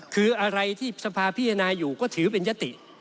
คืออะไรที่สภาพิจารณาอยู่ก็ถือเป็นยติ